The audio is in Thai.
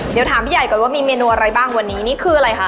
เดี๋ยวถามพี่ใหญ่ก่อนว่ามีเมนูอะไรบ้างวันนี้นี่คืออะไรคะ